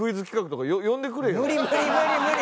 無理無理無理無理！